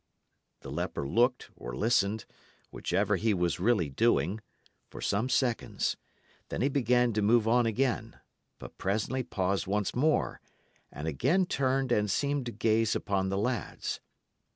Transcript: The leper looked or listened, whichever he was really doing, for some seconds. Then he began to move on again, but presently paused once more, and again turned and seemed to gaze upon the lads.